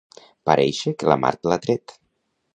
Parèixer que la mar l'ha tret.